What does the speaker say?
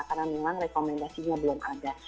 karena memang rekomendasinya belum ada